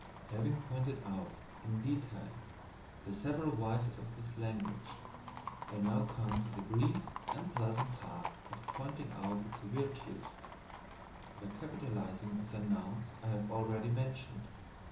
Having pointed out, in detail, the several vices of this language, I now come to the brief and pleasant task of pointing out its virtues. The capitalizing of the nouns I have already mentioned.